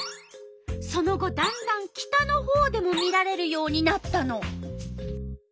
その後だんだん北のほうでも見られるようになったの。